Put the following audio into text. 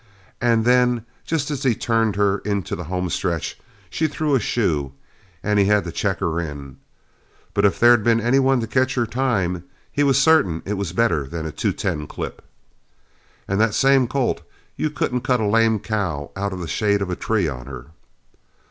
And then just as he turned her into the home stretch, she threw a shoe and he had to check her in; but if there'd been any one to catch her time, he was certain it was better than a two ten clip. And that same colt, you couldn't cut a lame cow out of the shade of a tree on her.